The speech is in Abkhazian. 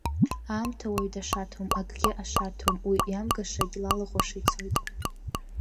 Аамҭа уаҩ дашаҭом, акгьы ашаҭом, уи иамгашагь лалахәаша ицоит.